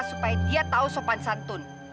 supaya dia tahu sopan santun